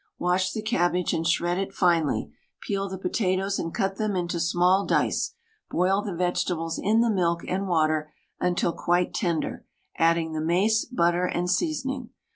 Wash the cabbage and shred it finely, peel the potatoes and cut them into small dice; boil the vegetables in the milk and water until quite tender, adding the mace, butter, and seasoning.